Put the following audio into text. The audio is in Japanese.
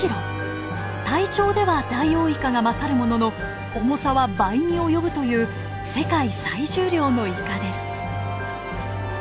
体長ではダイオウイカが勝るものの重さは倍に及ぶという世界最重量のイカです。